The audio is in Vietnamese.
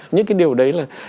những cái điều đấy là